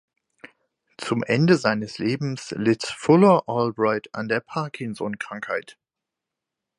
Zum Ende seines Lebens litt Fuller Albright an der Parkinson-Krankheit.